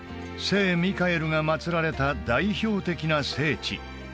聖ミカエルが祭られた代表的な聖地